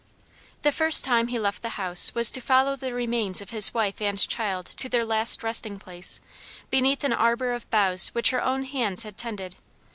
The first time he left the house was to follow the remains of his wife and child to their last resting place, beneath an arbor of boughs which her own hands had tended.